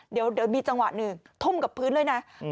เดี๋ยวมีจังหวะหนึ่งทุ่มกับพื้นเลยนะ